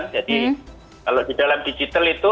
jadi kalau di dalam digital itu